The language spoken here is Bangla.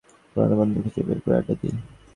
পুরনো বন্ধুদের খুঁজে বের করে আড্ডা দিই।